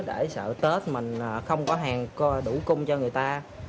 để sợ tết mình không có hàng đủ cung cho người ta